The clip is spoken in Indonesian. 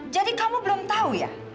jadi kamu belum tau ya